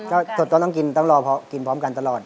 ก็ต้องกินต้องรอกินพร้อมกันตลอด